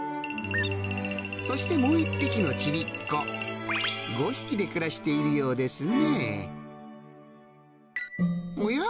そしてもう１匹のちびっ子５匹で暮らしているようですねぇおや？